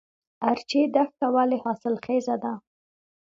ارچي دښته ولې حاصلخیزه ده؟